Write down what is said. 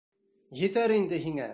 Етәр инде һиңә!